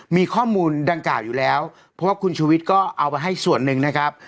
มีข้อมูลดังกล่าวอยู่แล้วเพราะว่าคุณชูวิทย์ก็เอาไปให้ส่วนหนึ่งนะครับ